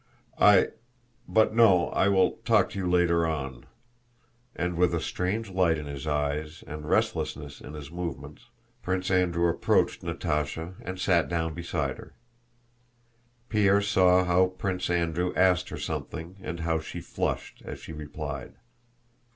"I... but no, I will talk to you later on," and with a strange light in his eyes and restlessness in his movements, Prince Andrew approached Natásha and sat down beside her. Pierre saw how Prince Andrew asked her something and how she flushed as she replied.